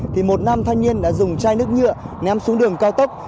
thì một nam thanh niên đã dùng chai nước nhựa ném xuống đường cao tốc